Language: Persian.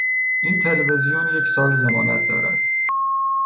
این تلویزیون یک سال ضمانت دارد